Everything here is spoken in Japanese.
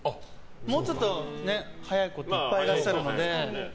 もうちょっと早い子はいっぱいいらっしゃるので。